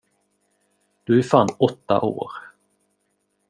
Du är fan åtta år!